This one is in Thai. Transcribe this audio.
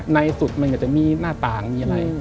ในสุดมันก็จะมีหน้าต่างมีอะไร